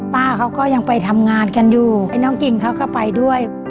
ป้าเขาก็ยังไปทำงานกันอยู่ไอ้น้องกิ่งเขาก็ไปด้วย